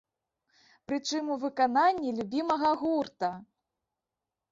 Пры чым у выкананні любімага гурта!